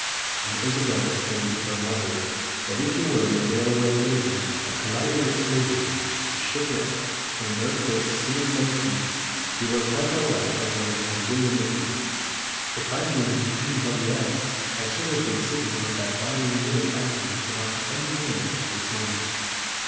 And Isobel explained to her mother that if you were in a railway collision, a colliery explosion, a ship wreck, and an earthquake simultaneously, you were quite all right so long as you had William with you. LOVERS ON AN ISLAND 267 "If I'd been with anybody else I should have been sitting on that darling little island without any dinner at this moment."